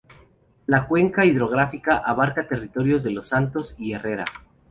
Su cuenca hidrográfica abarca territorios de Los Santos y Herrera.